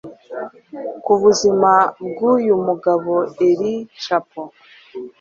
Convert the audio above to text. ku buzima bw'uyu mugabo El Chapo.